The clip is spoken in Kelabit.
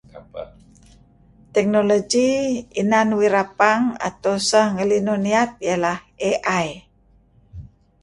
Technology inan nuih rapang atau sah ngelinuh niyat iyeh ineh AI.